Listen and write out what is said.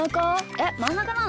えっまんなかなの？